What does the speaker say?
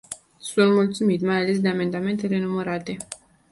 Sunt mulțumit, mai ales, de amendamentele nr.